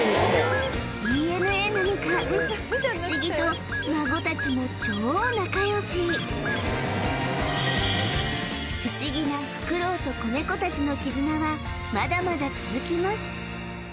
ＤＮＡなのか不思議と孫たちも超仲良し不思議なフクロウと子ネコたちの絆はまだまだ続きます